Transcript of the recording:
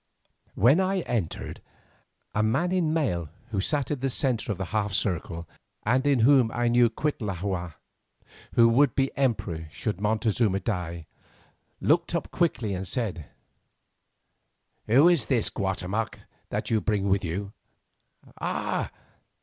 When I entered, a man in mail, who sat in the centre of the half circle, and in whom I knew Cuitlahua, who would be emperor should Montezuma die, looked up quickly and said: "Who is this, Guatemoc, that you bring with you? Ah!